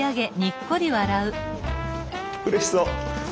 うれしそう！